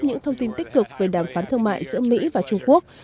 những thông tin tích cực về đàm phán thương mại giữa mỹ và trung quốc